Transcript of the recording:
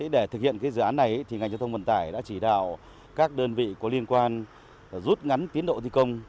để thực hiện dự án này ngành giao thông vận tải đã chỉ đạo các đơn vị có liên quan rút ngắn tiến độ thi công